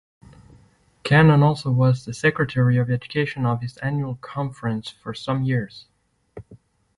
Cannon also was the Secretary of Education of his annual conference for some years.